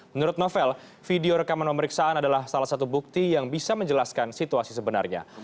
menurut novel video rekaman pemeriksaan adalah salah satu bukti yang bisa menjelaskan situasi sebenarnya